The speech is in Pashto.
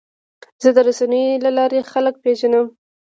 زه د رسنیو له لارې خلک پېژنم.